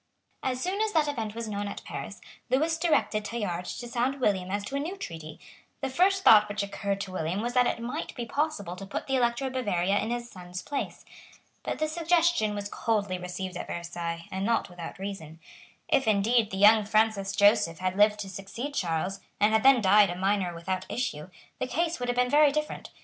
As soon as that event was known at Paris, Lewis directed Tallard to sound William as to a new treaty. The first thought which occurred to William was that it might be possible to put the Elector of Bavaria in his son's place. But this suggestion was coldly received at Versailles, and not without reason. If, indeed, the young Francis Joseph had lived to succeed Charles, and had then died a minor without issue, the case would have been very different.